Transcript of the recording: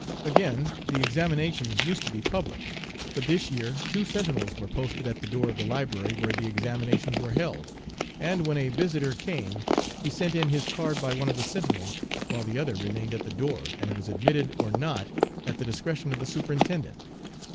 Again, the examinations used to be public; but this year two sentinels were posted at the door of the library, where the examinations were held, and when a visitor came he sent in his card by one of the sentinels, while the other remained at the door, and was admitted or not at the discretion of the superintendent.